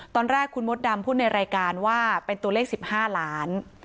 ตอนแรกคุณมดดำพูดในรายการว่าเป็นตัวเลข๑๕ล้าน